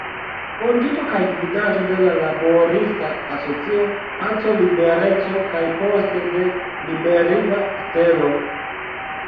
Fondinto kaj gvidanto de la laborista asocio "Paco Libereco", kaj poste de "Liberiga Stelo".